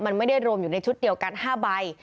มันไม่ได้รวมอยู่ในชุดเดียวกัน๕ใบ